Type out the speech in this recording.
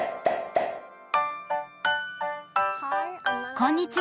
こんにちは。